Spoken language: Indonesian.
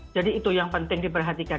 jadi itu yang penting diperhatikan